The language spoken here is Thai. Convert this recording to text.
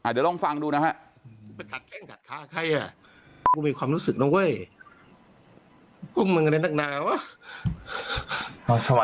เดี๋ยวลองฟังดูนะฮะ